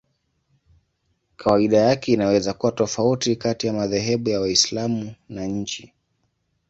Kawaida yake inaweza kuwa tofauti kati ya madhehebu ya Waislamu na nchi.